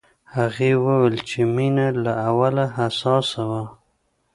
هغې وویل چې مينه له اوله حساسه وه